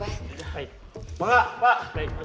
makasih banyak pak